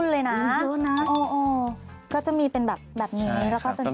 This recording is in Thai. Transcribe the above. แล้วก็จะมีเป็นแบบแบบนี้